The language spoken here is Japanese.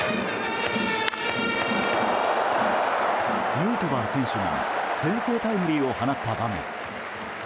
ヌートバー選手が先制タイムリーを放った場面。